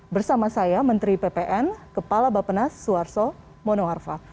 bersama saya menteri ppn kepala bapenas suarso monoarfa